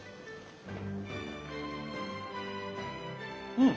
うん。